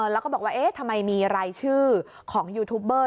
แล้วก็บอกว่าเอ๊ะทำไมมีรายชื่อของยูทูปเบอร์